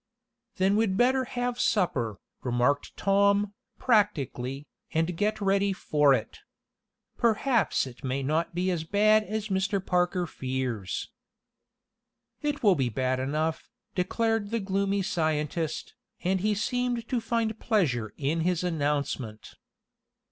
"Then we'd better have supper," remarked Tom, practically, "and get ready for it. Perhaps it may not be as bad as Mr. Parker fears." "It will be bad enough," declared the gloomy scientist, and he seemed to find pleasure in his announcement.